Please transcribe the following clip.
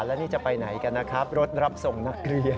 แล้วนี่จะไปไหนกันนะครับรถรับส่งนักเรียน